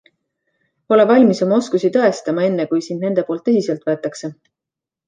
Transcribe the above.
Ole valmis oma oskusi tõestama enne kui sind nende poolt tõsiselt võetakse.